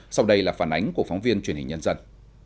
sau đây là phản ánh của phóng viên truyền hình nhân dân